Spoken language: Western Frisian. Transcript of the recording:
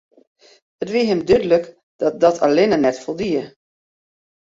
It wie him dúdlik dat dat allinne net foldie.